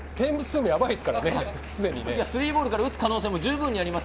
３ボールから打つ可能性もじゅうぶんにあります。